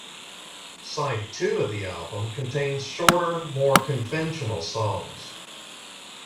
Side Two of the album contains shorter, more conventional songs.